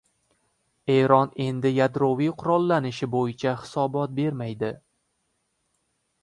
Eron endi yadroviy qurollanishi bo‘yicha hisobot bermaydi